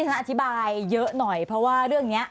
ฉันอธิบายเยอะหน่อยเพราะว่าเรื่องนี้